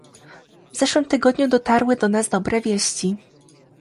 W zeszłym tygodniu dotarły do nas dobre wieści